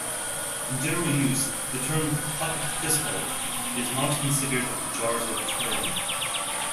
In general use, the term pocket pistol is not considered a pejorative term.